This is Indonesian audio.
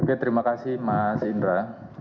oke terima kasih mas indra